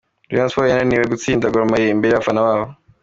Rayon Sports yananiwe gutsindira Gor Mahia imbere y’abafana babo.